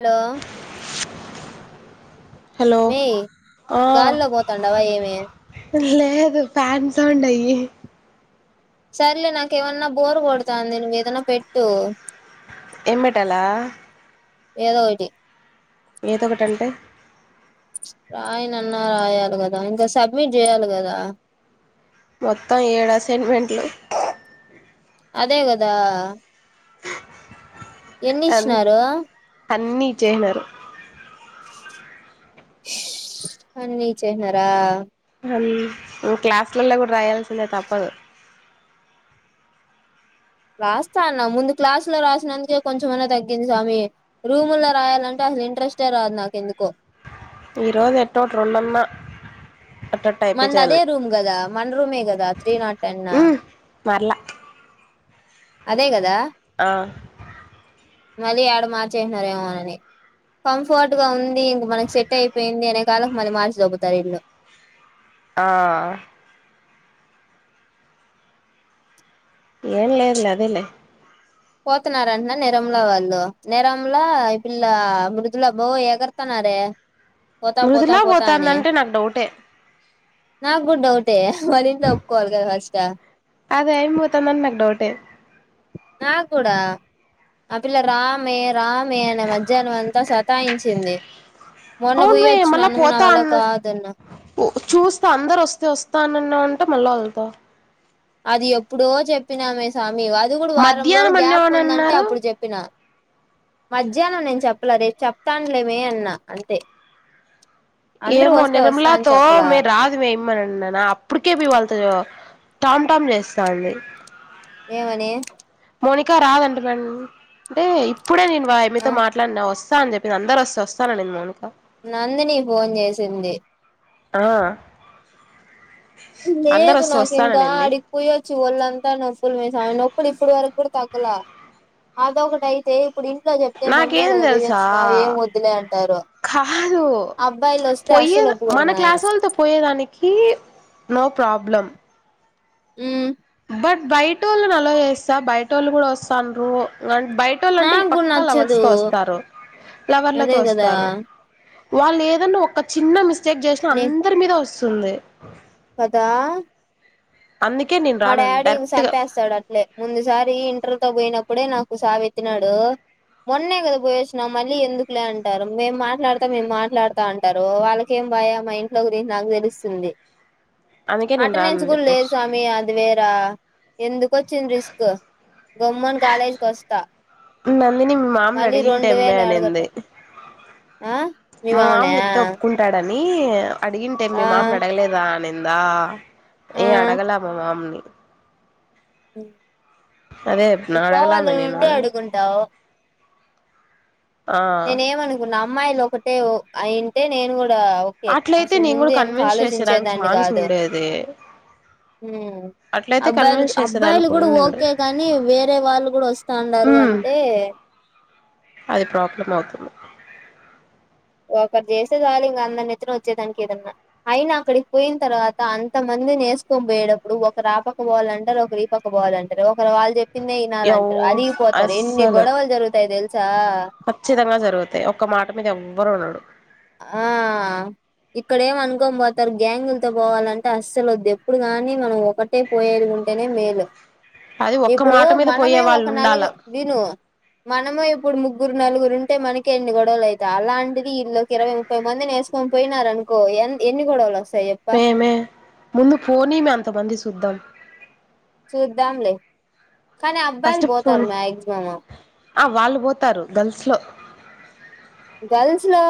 hello hello మీ ఆ గాల్లో పోతండవా ఏమీ లేదు ఫ్యాన్ సౌండ్ అయ్యి సర్లే నాకేమన్న బోర్ కొడతాంది నువ్వు ఏదన్నా పెట్టు ఏం పెట్టాలా ఏదో ఒకటి ఏదో ఒకటంటే రాయనన్న రాయాలి కదా ఇంకా సబ్మిట్ చేయాలి కదా మొత్తం ఏడు అసైన్మెంట్లు అదే కదా ఎన్ని ఇచ్చినారు అన్నిీ ఇచ్చేసి నారు అన్నిీ ఇచ్చేసినార మ్ నువ్వు క్లాసులల్ల కూడా రాయాల్సిందే తప్పదు రాస్తా అన్న ముందు క్లాసు లో రాసినందుకే కొంచెమన్నా తగ్గింది స్వామి రూము లో రాయాలంటే అసల్ ఇంట్రెస్ట్ ఏ రాదు నాకు ఎందుకో ఈ రోజు ఎటోటి రెండన్న మన దదే రూమ్ కదా మన రూమే కదా త్రీ నాట్ టెన్ మర్ల అదే గదా ఆ మళ్ళీ యాడ మార్చేసినారేమోనని కంఫర్ట్ గా ఉం ది ఇంక మనకి సెట్ అయిపోయింది అనే కాలక్ మళ్ళీ మార్చిదోబ్బుతారు ఇల్లు ఆ ఏం లేదులే అదేలే పోతున్నారంటన్న ని రూమ్లో వాళ్ళు ని రూమ్ లో ఈ పిల్ల మృదుల బో ఎగుర్తున్నార్ ే పోత పోత మృదులా పోత అని పోతాందంటే నాకు డౌటే నాకు కూడా డౌటే వాళ్ళ ఇంట్ల ఒప్పుకోవాలి కదా ఫస్ట్ అదే యం మొతాందని నాకు డౌటే నాక్కుడా ఆ పిల్ల రామ్మి రామీ అని మధ్యాహ్నం అంతా సతాయించింది మొన్న పోయి అవునుమీ మళ్ళ వచ్చినాను నా పోతా వల్ల అన్ కాదన్న చూస్త అందరు వస్తే వస్ తనన్న అంటే మళ్ళా వెళ్తా అది ఎప్పుడో చెప్పినామే సా మీ అది కూడా వారం రోజులు మధ్యాహ్నం గ్యాప్ ఉందంటే అన్నేమనన్నారు అప్పుడు చెప్పిన మధ్యాహ్నం నేను చెప్పలే రేప్ చెప్తానులేమే అన్నా అంతే అందరూ ఏమో వస్తే వస్తా అని నిర్మలాతో చెప్పలా మీరు రాదు మే ఇమ్మనన్నా అప్పటికే వాళ్ళతో టామ్ టామ్ చేస్తాంది ఏమని మౌనికా రాదంట మడి అంటే ఇప్పుడే నేను వాయమ్మి ఆ తో మాట్లాడిన వస్ స్త అ చెప్పి అందరు వస్తే వస్తా అనింది మౌనిక నందిని ఫోన్ చేసింది ఆ అందరు లేదు వస్తే నాకు ఇంకా వస్తాననింది అడిపోయోచ్చి ఒళ్ళంతా నొప్పులుమే సామీ నొప్పులు ఇప్పుడు వరకు కూడా తగ్ గ్గల అదోకటైతే ఇప్పుడు ఇంట్లో చెప్తే మొన్నే నాకేం కదా తెలుసా పోయోచ్చినవ్ ఏం వద్దులే అంటారు కదూ అబ్బాయిలు వస్తే అస్సలు పోయేదో ఒప్పుకోడు మన మా ఆయన క్లాసోళ్ళతో పోయేదానికి నో ప్రాబ్లం హుమ్ బట్ బయటోళ్ళని అలో చేస్తా బయటోళ్ళు కూడా ఒస్తండ్రు అన్ బయటోళ్ళంటే ఇం నాకు కూడా పక్కా నచ్చదు లవర్స్తో వస్తారు అదే లవర్లతో కదా వస్తారు వాళ్ళు ఏదన్నా ఒక చిన్న మిస్టేక్ చేసినా నీ అందరి మీద వస్తుంది కదా అందుకే నేను మా రానను డాడీ ఇంక డైరెక్ట్ గా చంపేస్తాడు అట్లే ముందుసారి ఇంటర్ తో పోయినప్ ప్పుడే నాకు సాబెత్తినాడు మొన్నే కదా పోయేచ్చినాం మళ్ళీ ఎందుకులే అంటారు మేం మాట్లాడుతా మేం మాట్లాడుతా అంటారు వాళ్ళకేం బా యా మ ఇంట్లో గురించి నాకు తెలుస్తుంది అందుకే నేను అటనేన్స్ రానని కూడా లేదు చెప్పేసి సామి ఆ ఎందుకొచ్చింది రిస్క్ గమ్మున కాలేజ్కి వస్తా నందిని మీ మామని మళ్ళీ అడిగింటే రెండు అమ్మా వేలు అడగట అనింది ఆ మీ మా మామ మామనా చెప్తే ఒప్పుకుంటాడని ని అడిగింటే ఆ మీ మామని అడగలేదా అనిందా ఆ ఏ అడగలా మా మామని ఉ అదే చెప్పిన నీకు అడగలామే పోవాలనీ నేను ఉంటే అడుగుంటావు ఆ నేను ఏమనుకున్న అమ్మాయిలు ఒకటే అయింటే నేను కూడా డా ఓకే అట్లయితే అసలు నేను ముందు కూడా వెనక కన్విన్స్ చేసేదానికి ఆలోచించేదాన్ని ఛాన్స్ కాదు ఉండేది ఊ అట్లయితే అబ్బాయిలు కన్విన్స్ అబ్బాయిలు చేసేదానికి కూడా ఉండిండు ఓకే గాని వేరే వాళ్ళు కూడా వస్తాన్నారు ఉమ్ అంటే అది ప్రాబ్లం అవుతుంది ఒకటి చేసేదాన్ని ఇంగా అందరి నెత్తిన వచ్చేదానికి ఏదన్నా అయినా అక్కడికి పోయిన తర్వాత అంతమంది ఇంది ఎసుకని పోయేప్పుడు ఒకరూ ఆ పక్కా పోవాలా అంటారు ఒకరూ ఈ పక్క పోవాలా అంటారు ఒకరు వాళ్ళు చెప్ప తిందే యవ్ వినాలంటారు అలిగిపోతారు ఎన్ని అస్సలు గొడవలు జరుగుతాయి తె ఖచ్చితంగా జరుగుతాయి ఒక్క మాట మీద ఎవ్వరు ఉండడు ఆ ఇక్కడ ఏమో అనుకోని పోతారు గ్యాంగులతో పోవాలంటే అస్సలు వద్దు ఎప్పుడు గాని మనం ఒకటే పోయేది ఉంటేనే మేలు అది ఒక్క ఇప్పుడు మాట మీద పోయే మనమే ఒక వాళ్ళు ఉండాల నాలుగురు విను మనమే ఇప్పు ఇప్పుడు ముగ్గురు నలుగురు ఉంటే మనకి ఎన్ని గొడవలు అయతయి అలాంటిది ఇల్లు ఇరవై ముప్పై మందిని వేసుకోని పోయినారఅనుకో ఎ ఎన్నిగోడవలు వస్తాయి చెప్ప పే మే ముందు ఫోని మే అంతమంది చూద్దాం చూద్దాంలే కానీ అబ్బాయిలు ఫస్ట్ పోతారు పోనీ మ్యాగ్సిమం ఆ వాళ్ళు పోతారు గర్ల్స్ లో గర్ల్స్ లో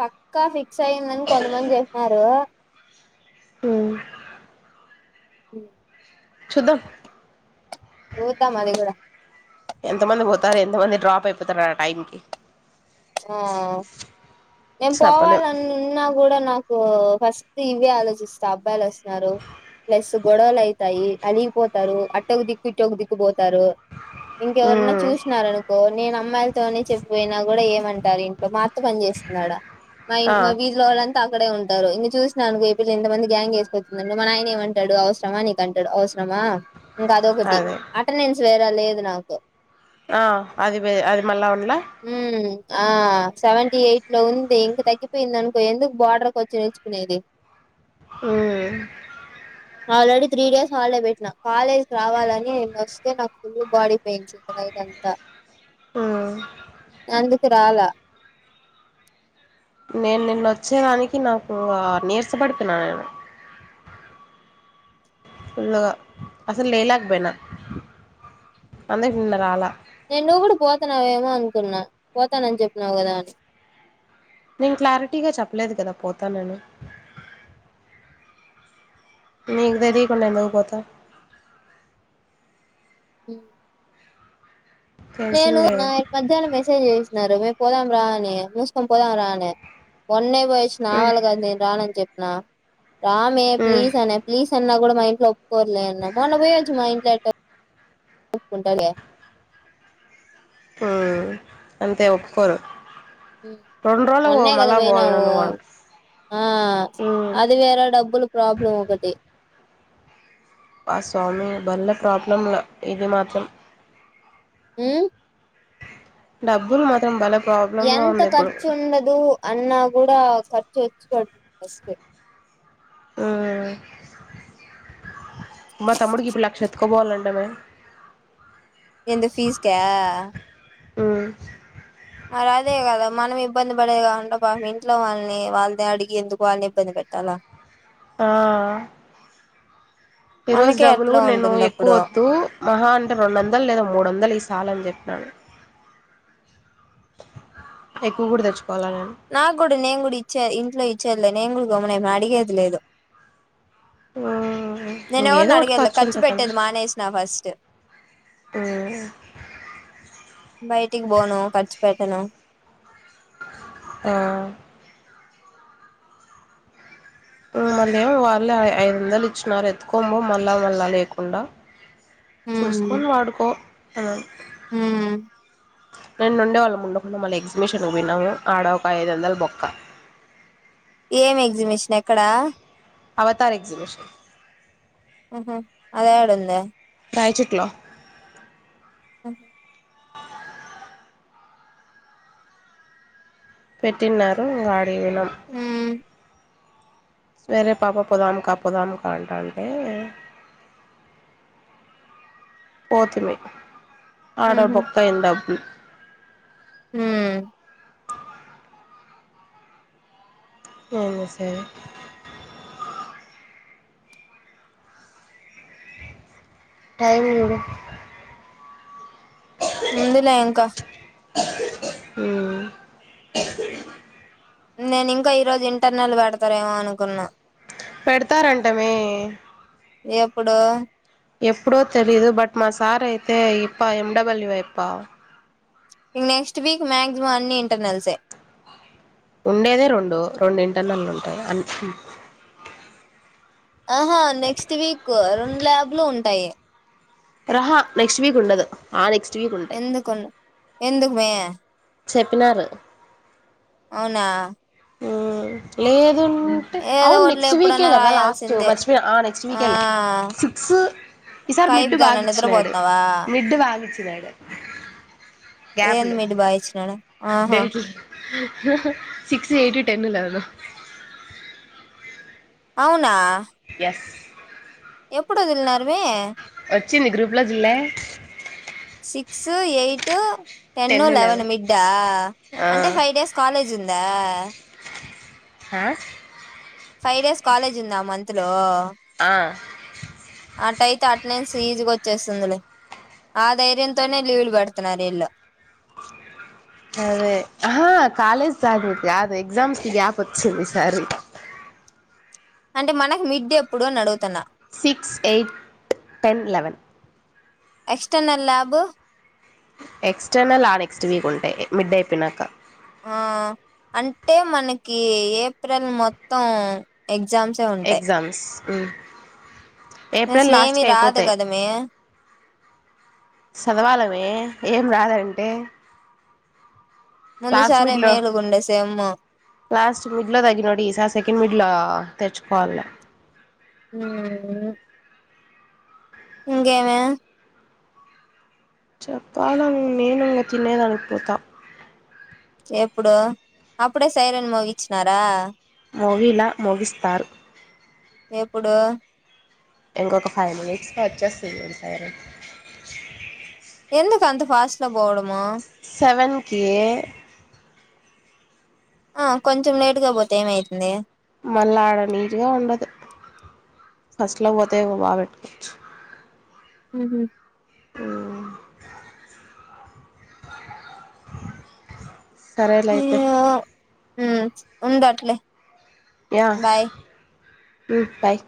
పక్కా ఫిక్స్ అయిందని కొంతమంది చెప్పినారు హు ఉ చూద్దాం చూద్దాం అది కూడా ఎంతమంది పోతారు ఎంతమంది డ్రాప్ అయిపోతారు ఆ టైంకి ఆ నేను చెప్పలేం పోవాలని ఉన్నా కూడా నాకు ఫస్ట్ ఇవే ఆలోచిస్తా అబ్బాయిలు వస్తున్నారు ప్లస్ గొడవలు అయితాయి అలిగిపోతారు అటొక దిక్కు ఇటొక్క దిక్కుపోత తరు ఇంకెవరైన్నా ఉమ్ చూసినారు అనుకో నేను అమ్మాయిలతోనే చెప్పిపోయినా కూడా ఏమంట ఉంటది ఇంట్లో మా అత్త పని చేస్తుంది అడా మా ఇన్ ఆ మా వీధిలో వా తా అక్కడే ఉంటారు ఇంగ చూసినానుకో ఈ పిల్ల ఇంత మంది గ్యాంగ్ ఏసుకొచ్చిధనుకో మా నాయన ఏమంటడు అవసరమా నీకు అంటడు అవస రామా ఇంకా అదొకటి అదే అటెండెన్స్ వేర లేదు నాకు ఆ అది వే అది మళ్ళా ఉండాలా ఉమ్ ఆ సెవెంటీ ఎయిట్ లో ఉంది ఇంక తగ్గిపోయింది అనుకో ఎందుకు బార్డర్కి వచ్చి నేర్చుకునేది ఆ ఆల్రెడీ త్రీ డేస్ హాలిడే పెట్టినా కాలేజ్కి రావాలని వస్తే నాకు ఫుల్ బాడీ పెయిన్స్ ఇంకా నైట్ అంతా ఉమ్ అందుకు రాలా నేను నిన్న వచ్చేదానికి నాకు నీరస పడిపోయిన నేను ఫుల్గా అసలు లేలేకపోయినా అందుకు నిన్న రాలా నేను నువ్వు కూడా పోతాన్నావేమో అనుకున్నా పోతానని చెప్పన్నావు కదా నేను క్లారిటీగా చెప్పలేదు కదా పోతాననీ మీకు తెలియకుండా ఎందుకుపోతా ఉ నేను నా తెలిసిందేగా మధ్యాహ్నం మెసేజ్ చేసినారు పోదాం రానే మూసుకం పోదాం రానే మొన్నే పోయిచ్చిన నా ఉమ్ వల్ల గాదు నేను రానని చెప్ప నా రామే ఉమ్ ప్లీస్ అనే ప్లీస్ అన్నా కూ మా ఇంట్లో ఒప్పుకోర్లేన్న మొన్న పోయెచ్చి మా ఇంట్లో ఎట్ట ఒప్పుకుంటర మ్మ్ అంతే ఒప్పుకోరు రెండు రోజులకు మొన్నే కదా మళ్ళా పోవాల బోయినావు నువ్వు అన్ ఆ ఉమ్ అది వేరే డబ్బులు ప్రాబ్లం ఒకటి ఆ స్వామి వళ్ళ ప్రాబ్లంలె ఇది మాత్రం మ్మ్ డబ్బులు మాత్రం బలం ఎంత ఖర్చు ఉండదు అన్నా కూడా ఖర్చు వచ్చి పడుతుంది ఫస్టె మ్మ్ మా తమ్ముడికి ఇప్పుడు లక్ష ఎత్తుకోబోవాలంట మే ఎందుకు ఫీజ్కా మ్మ్ మరి అదే కదా మనం ఎ ఇబ్బంది పడేది కాకుండా పాపం ఇంట్లో వాళ్ళని వాళ్ళదే అడిగి ఎందుకు వాళ్ళని ఇబ్బంది పెట్టాల ఆ ఈ రోజు మనకే డబ్బులు ఎట్లా గూడా నేను ఉంటుంది ఎక్కువ అప్పుడు వద్దు మహా అంటే రెండు వందలు లేదా మూడు వందలు ఈ సాలు అని చెప్పినాను ఎక్కువ కుడా తెచ్చ్ నాకు గూడా నేన్ గూడా ఇచే ఇంట్లో ఇచ్చేర్లే నేను గూడ గమ్మున ఏమ్ అడిగేది లేదు నేను ఇంకేదో ఎవరు ఒకటి అడిగేలే ఖర్చు ఉంటదండి పెట్టేది మానేసిన ఫస్ట్ బయటికి బోను ఖర్చు పెట్టను ఆ మళ్ళీ ఏమో వాళ్ళు ఐదు వందలు ఇచ్చినారు ఎత్తుకొమో మళ్ళా మళ్ళా లేకుండా చూసుకొని వాడుకో అని హ్మ్ నిన్న ఉండే వాళ్ళం ఉండకుండా మళ్ళీ ఎగ్జిబిషన్ పోయినము ఆడ ఒక ఐదు వందలు బొక్క ఏం ఎగ్జిబిషన్ ఎక్కడ అవతార్ ఎగ్జిబిషన్ ఆహ అది ఎడ ఉందే రాయచ్చుట్లో ఆహ పెట్టిన్నారు ఆడి ఒయినం ఉమ్ వేరే పాప పోదం క పొదం క అంటంటే పోతిమి ఆడ బొక్క అయిన్ డబ్బులు మ్మ్ ఎనస టైంఇంగో ఉంది నా ఎనక మ్ నేను ఇంకా ఈ రోజు ఇంటర్నల్ పెడతారేమో అనుకున్నా పెడతారంటమే ఎప్పుడు ఎప్పుడో తెలీదు బట్ మా సార్ అయితే ఇప్ప ఎండబల్యూప్ప ఇక నెక్స్ట్ వీక్ మాక్సిమం అన్ని ఇంటర్నల్సే ఉండేదే రెండు రెండు ఇంటర్నల్లు ఉంటాయి అ ఆహా నెక్స్ట్ వీక్ రెండు ల్యాబ్లు ఉంటాయి రహా నెక్స్ట్ వీక్ ఉండదు ఆ నెక్స్ట్ వీ ఎందుకు ఎందుకు మే చెప్పినారు అవునా ఉం లేరు అంటే ఏదో అవును ఒకటిలే నెక్స్ట్ వీకే ఎప్పుడన్నా కదా లాస్ట్ రాయాల్సిందే మర్చిపోయన ఆ నెక్స్ట్ వీకే లే సిక్స్ ఈ సారి మిడ్డు కైబ్దానా బాగాచ్చినాడు నిద్రపోతున్నావా మిడ్డు బాగాచ్చినాడు ఏంది గ్యాప్లు మిడ్డి బాగిచ్చినాడు ఆహా డేట్లు హ హ సిక్స్ ఎయిట్ టెన్ లేవెన్ అవునా ఎప్పుడు ఒదిలినారు మీ వచ్చింది గ్రూప్లో జూడలే సిక్స్ ఎయిట్ టెన్ లెవెన్ మిడ్డా ఆ అంటే ఫైవ్ డేస్ కాలేజ్ ఉందా హా ఫైవ్ డేస్ కాలేజ్ ఉందా మంత్ లో ఆ అట్టయితే అటనెన్స్ ఈజ్గా వచ్చేస్తుందిలే ఆ ధైర్యంతోనే లీవులు పేడుతున్నారు వీల్లు అదే ఆహా కాలేజ్ గాదు నిత్య ఎక్సామ్స్ కి గ్యాప్ వచ్చింది ఈ సారి అంటే మనకు మిడ్ ఎప్పుడు అని అడుగుతున్నా six eight ten eleven external lab external ఆ నెక్స్ట్ వీక్ ఉంటాయి మిడ్ అయిపోయినాక ఆ అంటే మనకి ఏప్రిల్ మొత్తం ఎగ్ ఎగ్జామ్సే ఉంటాయి ఉం ఏప్రిల్ అసలు ఏమి లాస్ట్కి రాదు అయిపోతాయి కదా మే చదవాలమే ఏం రాదంటే లాస్ట్ ముందుసారే మిడ్లో మేలుగుండే సేమ్ లాస్ట్ మిడ్లో దగ్గినోడి ఇ సారి సెకండ్ మిడ్లో తెచ్చుకోల్లా ఆ [unintelligible] ఇంగేమే చెప్పాల నేను ఇంగ తినేదానికి పోతా [unintelligible] ఎప్పుడు అప్పుడే సైరన్ మోగిచ్చినారా మోగీలా మోగిస్తారు ఎప్పుడు ఇంకొక ఫైవ్ మినిట్స్కి వచ్చేస్తుంది ఫైర్ ఎందుకు అంత ఫాస్ట్ లో పోవడము సెవెన్ కే ఆ కొంచెం లేటుగా పోతే ఏమైతుంది మన్ లాగా నీట్ గా ఉండదు ఫస్ట్ లో పోతేా బాగా పెట్టుకోవచ్చు [unintelligible] హు హమ్ ఉం సరేలే అయితే ఉంద అట్లే యా ఉం బాయ్